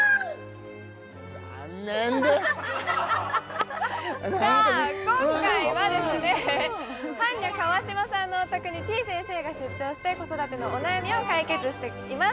残念ですさあ今回はですねはんにゃ．川島さんのお宅にてぃ先生が出張して子育てのお悩みを解決しています